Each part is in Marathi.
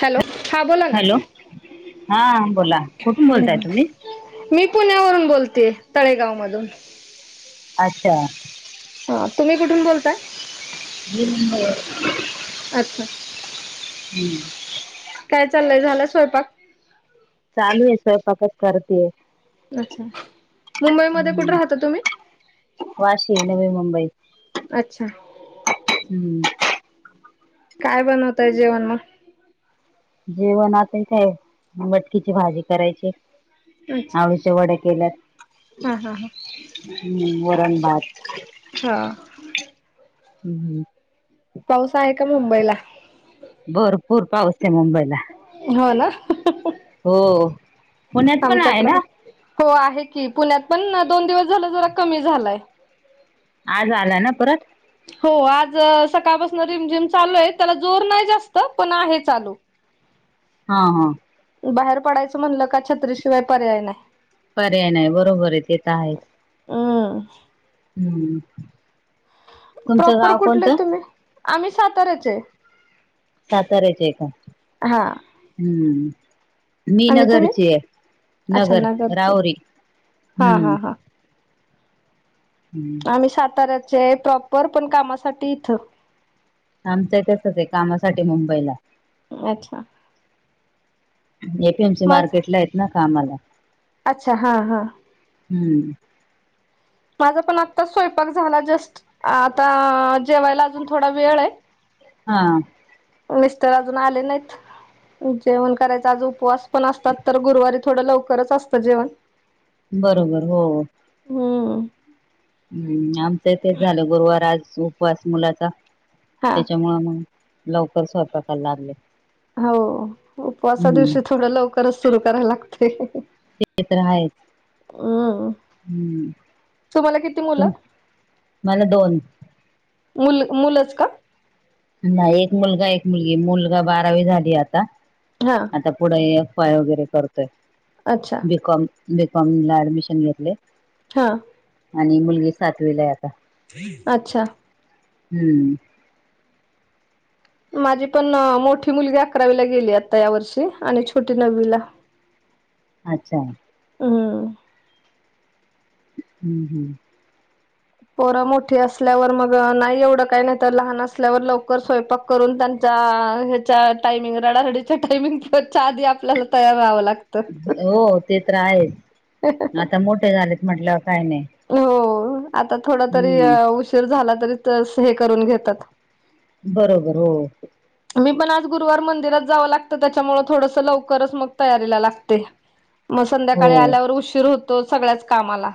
हॅलो! हां बोला ना. हॅलो हा बोला कुठून बोलताय तुम्ही मी पुण्यावरून बोलतेय, तळेगाव मधून. अच्छा. हा. तुम्ही कुठून बोलताय? मी मुंबई वरून. अच्छा. हम्म. काय चाललंय झाला स्वयंपाक? चालूय स्वयंपाकच करतेय. अच्छा मुंबईमध्ये कुठे राहता तुम्ही? वाशी, नवी मुंबई. अच्छा. हम्म. काय बनवताय जेवण म? जेवण [unintelligible] मटकीची भाजी करायची आहे. अच्छा आळुच्या वड्या केल्यात. हा हा हा, हम्म, वरण भात हो. हम्म. पाऊस आहे का मुंबईलाॽ भरपूर पाऊस आहे मुंबईला. हो ना. हो. पुण्यात आहे आमच्याकड ना पण हो आहे की पुण्यात पण ना दोन दिवस झालं जरा कमी झालाय. आज आला ना परत. हो आज सकाळपासून रिमझिम चालू आहे त्याला जोर नाही जास्त पण आहे चालू. हा ह बाहेर पडायचं म्हणलं का छत्रीशिवाय पर्याय नाही. पर्याय नाही बरोबर आहे तेत आहे. हां हम्म तुमचं प्रॉपर गाव कुठले कोणतं? तुम्ही आम्ही साताऱ्याचे. सातारेचे का? हा हम्म मी आणि तुम्ही नगरची ये अच्छा नगर, नगरचे राहुरी हा हा हम्म हा हम्म मी साताऱ्याची प्रॉपर पण कामासाठी इथं आमच तसंच ऐ कामासाठी मुंबईला. अच्छा! एपीएमसी माझ मार्केटला येत ना कामाला. अच्छा! हा हा हम्म माझा पण आत्ता स्वयंपाक झाला जस्ट आता जेवायला अजून थोडा वेळ ये. हा मिस्टर अजून आले नाहीत, जेवण करायच आज उपवास पण असतात तर गुरुवारी थोडं लवकरच असतं जेवण. बरोबर हो हो हम्म हम्म आमचं इ तेच झालं गुरुवार आज उपवास मुलाचा हा त्याच्यामुळं म लवकर स्वयंपाकाय लागले. हो उपवासा हम्म दिवशी ते थोडं लवकरच सुरु करायला लागते. तेतर हायच. हम्म. हम्म, तुम्हाला किती मुलं मला दोन. मुल मुलच का? नाही एक मुलगा एक मुलगी मुलगा बारावी झाली आता. हो का. आता पुढे एफ वाय वगैरे करतोय. अच्छा! बीकॉम, बीकॉम ला ऍडमिशन घेतलंय. हा आणि मुलगी सातवीला हाय आता. अच्छा! हम्म. माझी पण अ मोठी मुलगी अकरावीला गेली आता या वर्षी आणि छोटी नववीला. अच्छा! हम्म हम्म हम्म. पोर मोठी असल्यावर मग नाही एवढं काही नाही तर लहान असल्यावर लवकर स्वयंपाक. करून त्यांच्या अ ह्याच्या टाइमिंग, रडारडीच्या टायमिंगच्या आधी आपल्याला तयार व्हावं लागतं. हो हो ते तर आहेच, आता मोठे झालेत म्हटल्यावर काय काय. हो ओ आता थोडा तरी उशीर झाला तरी ते असे हे करून घेतात. बरोबर हो. मी पण आज गुरुवार मंदिरात जावं लागत, त्याच्यामुळे थोडंसं लवकरच मग तयारीला लागते. म हो संध्याकाळी आल्यावर उशीर होतो, सगळ्याच कामाला.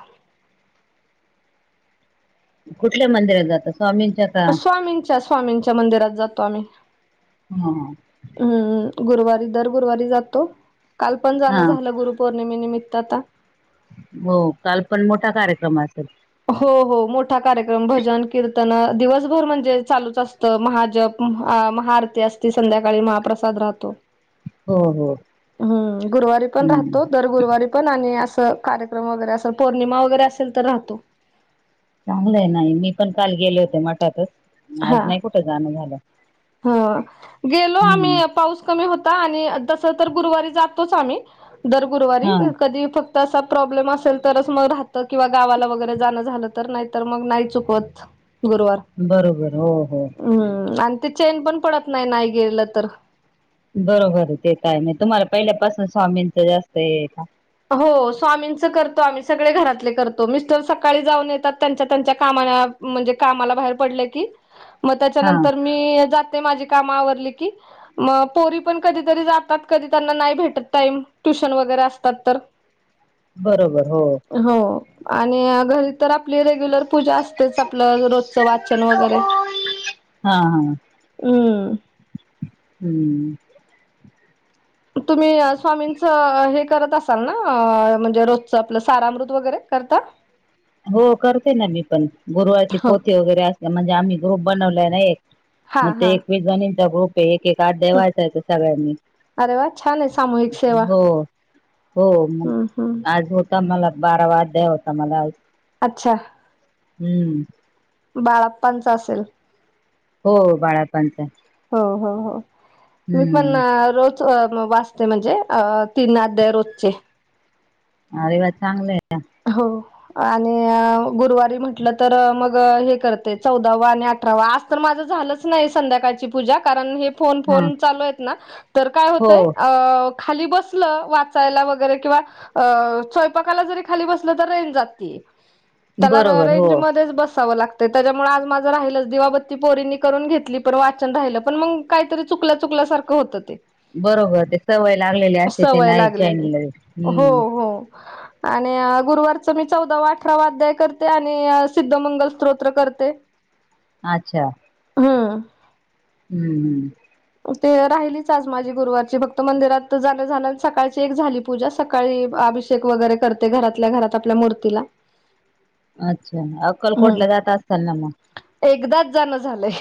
कुठल्या मंदिरात जातात? स्वामींच्या का स्वामींच्या, स्वामींच्या मंदिरात जातो आम्ही. हा. हम्म गुरुवारी. दर गुरुवारी जातो काल पण हा जाणं झालं गुरु पौर्णिमे निमित्त आता हो, काल पण मोठा कार्यक्रम असेल. हो हो मोठा कार्यक्रम. भजन, कीर्तन दिवसभर म्हणजे चालूच असतं, महाजप महाआरती असती संध्याकाळी महाप्रसाद राहतो. हो हो हम्म, गुरुवारी पण हम्म राहतो, दर गुरुवारी पण आणि असं कार्यक्रम वगैरे अस पौर्णिमा वगैरे असेल तर राहतो. चांगल आहे ना हे, मी पण काल गेले होते मठातच. हा आज नाही कुठं जाणं झालं ह, गेलो हम्म आम्ही पाऊस कमी होता आणि तस तर गुरुवारी जातोच आम्ही, दर गुरुवारी हा कधी फक्त तसा प्रॉब्लेम असेल तरच मग राहतं किंवा गावाला वगैरे जाणं झालं तर, नाही तर मंग नाही चुकवत गुरवार. बरोबर हो हो. हम्म आणि ते चैन पण पडत नाही, नाही गेलं तर. बरोबर आहे ते तर आहे, नाही तुम्हाला पहिल्यापासून स्वामींच जास्त हे आहे का? हो स्वामींच करतो आम्ही सगळे घरातले करतो, मिस्टर सकाळी जाऊन येतात त्यांच्या, त्यांच्या कामान म्हणजे कामाला बाहेर पडलं की मग हा त्याच्यानंतर मी जाते, माझी काम आवरली की मग पोरी पण कधीतरी जातात, कधी त्यांना नाही भेटत टाईम, ट्युशन वगैरे असतात तर बरोबर हो. हो आणि घरी तर आपली रेग्युलर पूजा अस तेच आपलं रोजच, वाचन वगैरे, हा हा हम्म. हम्म. तुम्ही स्वामींचं हे करत असाल ना, म्हणजे रोजच आपलं सारामृत वगैरे, करता? [unintelligible] हो करते ना मी पण, गुरुवारची हो पोथी वगैरे असते, म्हणजे आम्ही ग्रुप बनवलाय ना एक. हा मग ते हा एकवीस जणींचा ग्रुप आहे, एकेक अध्याय वाचायचा सगळ्यांनी. अरे वा छान आहे सामूहिक सेवा हो हो मग हम्म हम्म आज होत मला बारवा अध्याय होता मला आज. अच्छा! हम्म. बाळाप्पांचा असेल. हो बाळाप्पांचाय. हो हो हो, मी पण रोज वाचते म्हणजे अ तीन अध्याय रोजचे. अरे वा! चांगल आहे. हो. आणि गुरुवारी म्हटलं तर मग हे करते, चौदावा आणि अठरावा. आ तर माझं झालंच नाही संध्याकाळची पूजा, कारण हे हा फोन-फोन चालू आहेत ना, तर काय हो होतंय, अ खाली बसलं वाचायला वगैरे किंवा, अं स्वयपाकाला खाली बसलं तर रेंज जातीय, त्याला बरोबर हो रेंज मध्येच बसावं लाग ते त्याच्यामुळे आज माझं राहिलंच. दिवाबत्ती पोरींनी करून घेतली पण वाचन राहिलं, पण मग काहीतरी चुकल्या चुकल्यासारखं होतं ते. बरोबर ते सवय लागलेली असते ते सवय नाही चेंज लागलेली होत. हो हम्म. हो आणि गुरुवारचं मी चौदावा अठरावा अध्याय करते आणि सिद्ध मंगल स्तोत्र करते. अच्छा! हम्म. हम्म. ते राहिलीच आज माझी गुरुवारची. फक्त मंदिरात जाणं झालं आणि सकाळची एक झाली. पूजा, सकाळी अभिषेक वगैरे करते घरातल्या घरात आपल्या मूर्तीला अच्छा. हम्म अक्कलकोटला जात असताल ना मग? एकदाच जाणं झालंय.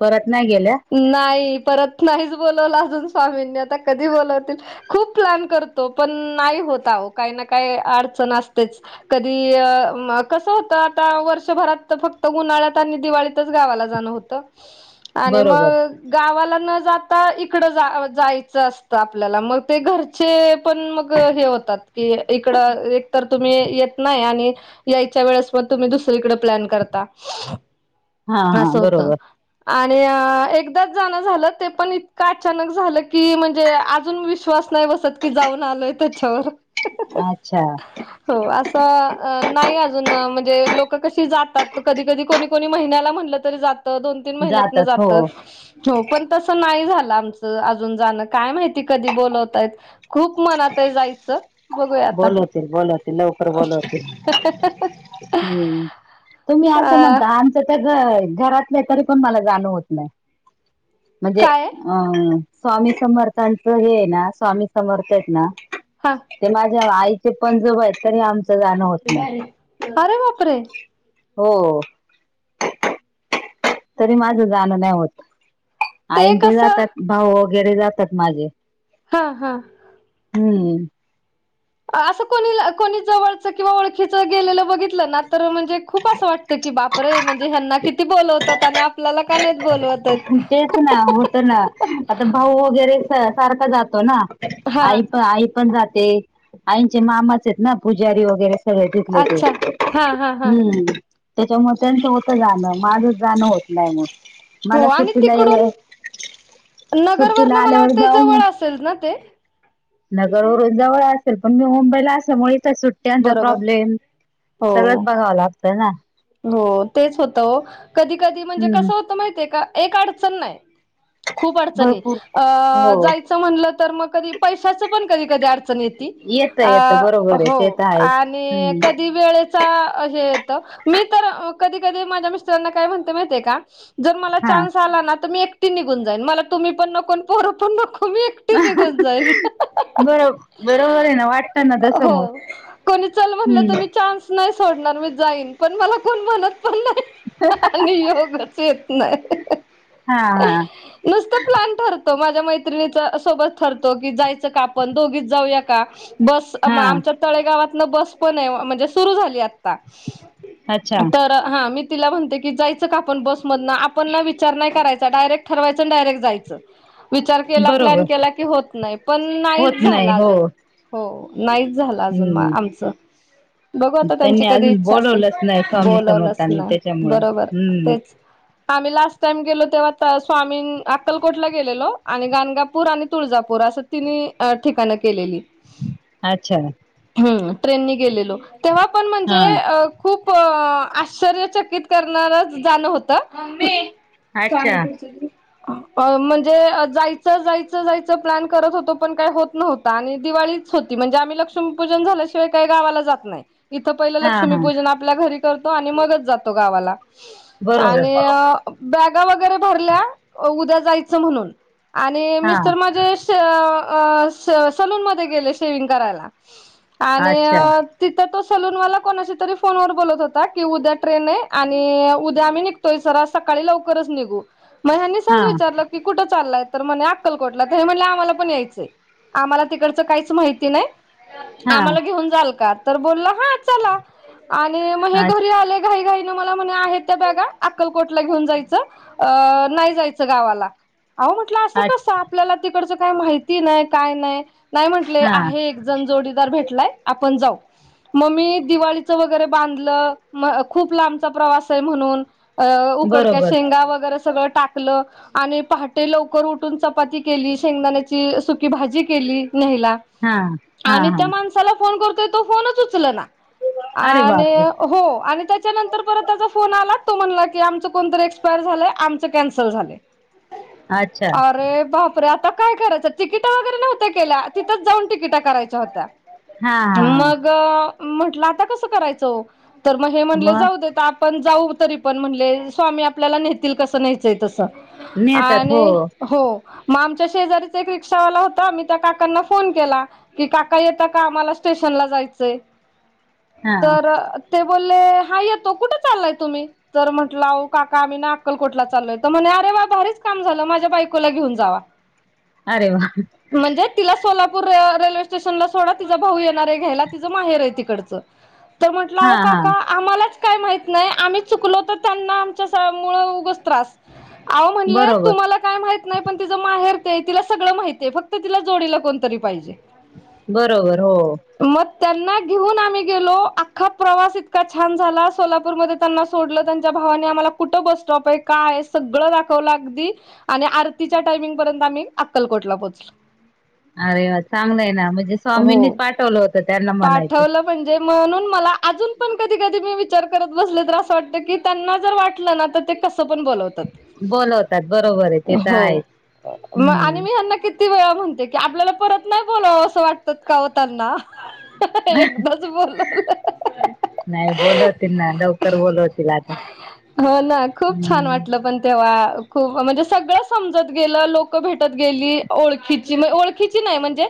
परत नाही गेल्या? नाही, परत नाहीच बोलवलं अजून स्वामींनी. आता कधी बोलवतील खूप प्लॅन करतो पण नाही होत आहो, काही ना काही अडचण असतेच. कधी अं म, कसं होतं आता, वर्षभरात फक्त उन्हाळ्यात आणि दिवाळीत चंच गावाला जाणं होतं. [inaudible] आणि मग गावाला न जाता इकडं जा-जायचं असतं आपल्याला. मग ते घर चे पण मग हे होतात की इकडं एकतर तुम्ही येत नाही आणि यायच्या वेळेस मग तुम्ही दुसरीकडे प्लॅन करता. हा हा असं होतं. बरोबर आणि एकदाच जाणं झालं, ते पण इतकं अचानक झालं की म्हणजे अजून विश्वास नाही बसत. कि जाऊन आलोय त्याच्यावर अच्छा हो. असं नाही अजून, म्हणजे लोक कशी जातात? कधी कधी कोणी कोणी महिन्याला म्हणलं तरी जात. दोन तीन महिन्यातनं जातात हो जात हो पण तसं नाही झालं आमचं अजून जाणं. काय माहिती कधी बोलवतायेत? खूप मनात आहे जायचं. बघूया आता बोलवतील बोलवतील. लवकर बोलवतील. हम्म. तुम्ही असं अ म्हणता, आमचं तर घ-घरातल्या, तरी पण मला जाणं होत नाही. म्हणजे, काय अं, स्वामी समर्थांचं हे आहे ना, स्वामी समर्थ आहेत ना हां. ते माझ्या आईचे पणजोबा आहेत, तरी आम अरे बापरे! हो. तरी माझं जाणं नाही होत. आईन ते जातात. भाऊ वगैरे जातात माझे. हा. हा. हम्म. असं कोणी ल, कोणी जवळचं किंवा ओळखीचं गेलेलं बघितलं ना, तर म्हणजे खूप असं वाट की बाप रे! म्हणजे ह्यांना किती बोलवतात आणि आपल्याला का नाहीत बोलवत? आहेत तेच ना होतं ना आता भाऊ वगैरे सारखा जातो ना. हा आई प आई पण जाते. आईचे मामाच आहेत ना पुजारी वगैरे सगळे टिकले ते अच्छा हा हा हा हम्म त्याच्यामुळ त्यांचं होत जाणं माझच जाणं होत नाही मग. हो मला आणि सुट्टीला तिकडून ये- सुट्टीला नगरवरन मला आल्यावर वाटतं जाऊ मग जवळ असल ना ते. नगरवरून जवळ असेल, पण मी मुंबईला असमुळे इथ सुट ट्याचा बरोबर प्रॉब्लेम हो सगळंच बघावं लागतं ना. हो तेच होतं हो कधी कधी म्हणजे हम्म कसं होतं, माहितीये का एक अडचण नाय खूप अडचणी भरपूर अ हो जायच म्हटलं तर मग कधी पैशाच पण कधी कधी अडचण येती, येतं येतं अ बरोबर आहे हो ते तर आहेच आणि हम्म कधी वेळेत त हे येत मी तर अ कधी कधी माझ्या मिस्टरांना काय म्हणते माहितीये का जर मला चान्स आला ना तर मी एकटी निघून जाईन, मला तुम्ही पण नको पोरं पण नको. मी एकटीचं निघून हा जाईन. बरो बरोबर आहे ना वाटतं ना तसं हो. मग कोणी चल म्हणलं तर हम्म. मी चान्स नाही, सोडणार मी जाईन पण मला कोण म्हणत पण नाही, आणि योगच येत नाही. हा हा नुसतं प्लॅन ठरतो माझ्या मैत्रिणीच्या सोबत ठरतो की जायचं का आपण, दोघीच जाऊया का? बस अ म हा आमच्या तळेगावातन बस पण ये, म्हणजे सुरू झाली आता. अच्छा तर हा मी तिला म्हणते की जायचं का आपण बसमधन आपण ना विचा चार नाही करायचा डायरेक्ट ठरवायचं अन डायरेक्ट जायचं. विचार केला प्लॅन बरोबर केला की होत नाही, पण होत नाहीच नाही झाला हो अजून. हो नाहीच झालं अजून मग हम्म आमचं. बघू आता त्यांची त्यांनी कधी अजून इच्छा असेल बोलवलंच नाही, स्वामी बोलवलंच समर्थानी ना त्याच्यामुळं बरोबर हम्म. [inaudible] तेच आम्ही लास्ट टाइम गेलो तेव्हा स्वामी अक्कलकोटला गेलेलो, आणि गाणगापूर आणि तुळजापूर असं तिन्ही अ ठिकाण केलेली. अच्छा हम्म ट्रेन नी गेलेलो तेव्हा पण हा म्हणजे अ खूप अ आश्चर्यचकित करणार जाणं होत. अच्छा [unintelligible] अ म्हणजे अ जायचं जायचं जायचं प्लॅन करत होतो पण काय होत नव्ह आणि दिवाळीच होती म्हणजे आम्ही लक्ष्मीपूजन झालं ते काय गावाला जात नाय, इथं पहिलं हा हा लक्ष्मीपूजन आपल्या घरी करतो, आणि मगच जातो गावाला. बरोबर आणि अ बॅगा वगैरे भरल्या उद्या जायचं म्हणून. आणि हा मिस्टर माझे अ सलून मध्ये गेले शेविंग करायला. आणि अच्छा अ तिथं तो सलूनवाला कोणाशी तरी फोन वर बोलत होता. की उद्या ट्रेन ये आणि उद्या आम्ही निघ [unintelligible] सकाळी लवकरच निघू मग यांनी हा सहज विचारलं की कुठं चाललाय तर म्हणे अक्कलकोटला तर हे म्हटलं आम्हाला पण यायचंय. आम्हाला तिकडचं काहीच माहिती नाही. हा आम्हाला घेऊन जाल का, तर बोलला हा चला आणि म हे अच घरी आले घाई घाईन मला म्हणे आहेत त्या बॅगा अक्कलकोटला घेऊन जायच. अ नाही जायचं गावाला. आहो मग म्हटलं असं अच कसं आपल्याला तिकडच काय माहिती नाही काय नाही, नाही म्हटले हा आहे एक जन जोडी दार भेटलाय, आपण जाऊ. मग मी दिवाळीचं वगैरे बांधलं, म खूप लांबचा प्रवास आहे म्हणून अ उकडक्या बरोबर शेंगा वगैरे सगळं टाकलं आणि पहाटे लवकर उठून चपाती केली, शेंगदाण्याची सुकी भाजी केली न्यायला. हा हा आणि हा. त्या माणसाला फोन करतोय, तो फोनच उचलेना अरे आणि बापरे हो आणि त्याच्यानंत तर परत त्याचा फोन आला, तो म्हणाला की आमचं कोण तर एक्सपायर झालंय आमचं कॅन्सल झालंय. अच्छा अरे बाप परे, आता काय करायचं? तिकीट वगैरे नव्हत्या केल्या तिथंच जाऊन तिकिटा करायच्या होत्या. हा हा हा मग म्हंटलं आता कसं करायचं ओ, तर मग हे म्हटले मग जाऊ देेत आप पण जाऊ तरी पण म्हणले, स्वामी आपल्याला नेतील कसं न्यायचंय तसं. नेतात हो आणि हो. मग आमच्या शेजारीचा एक रिक्षावाला होता, मी त्या काकांना फोन केला की काका येता का आमाला स्टेशनला जायचयं, हा तर ते बोलले, हा येतो, कुठे चाललाय तुम्ही? तर म्हटलं आहो काका आम्ही ना अक्कलकोटला चाललोय, तर म्हणे अरे वा भारीच काम झालं, माझ्या बायकोला घेऊन जावा. अरे वा. म्हणजे तिला सोलापूर रेल्वे स्टेशनलाच सोडा तिचा भाऊ येणार आहे घ्यायला, तिचं माहेर आहे तिकडचं तर म्हटलं हा आहो हा काका आम्हालाच काय माहित नाही, आम्ही चुकलो तर त्यांना आमच्यासा मुळं उगच त्रास. आहो म्हणल बरोबर तुम्हाला काय माहित नाही, पण तिज माहेर तेय, तिला सगळं माहितेय, फक्त तिला जोडीला कोणीतरी पाहिजे. बरोबर हो. मग त्यांना घेऊन आम्ही गेलो, अख्खा प्रवास इतका छान झाला सोलापूरमध्ये त्यांना सोडलं, त्यांच्या भावाने आम्हाला कुठं बस स्टॉपय, काय आहे सगळं दाखवलं अगदी आणि आरतीच्या टायमिंग पर्यंत आम्ही अक्कलकोटला पोचलो. अरे वा चांगलंय ना, म्हणजे स्वामींनीच हो पाठवलं होतं त्यांना म्हणायचं. पाठवलं म्हणजे म्हणून मला अजून पण कधी कधी मी विचार करत बसले तर, असं वाटत की त्यांना जर वाटलं ना तर ते कसं पण बोलावतात, बोलवतात बरोबर आहे ते तर हो, आहेच मग हम्म आणि मी ह्यांना कि ती वेळा म्हणते की, आपल्याला परत नाही बोलवावस वाटत का हो त्यांना. एकदाच बोलावलं. नाही बोलवतील ना, लवकर बोलवतील आता. हो ना, खूप छान हम्म वाटलं पण तेव्हा खूप म्हणजे सगळं समजत गेलं, लोक भेटत गेली, ओळखीची म ओळख खीची नाही म्हणजे